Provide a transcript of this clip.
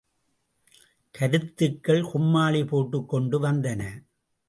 கருத்துக்கள் கும்மாளி போட்டுக் கொண்டு வந்தன.